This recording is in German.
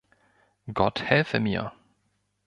Gott helfe mir.